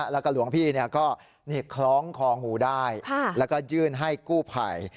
แล้วก็หลวงพี่ก็คล้องคองูได้แล้วก็ยื่นให้กู้ภัย